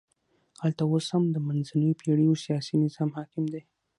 هلته اوس هم د منځنیو پېړیو سیاسي نظام حاکم دی.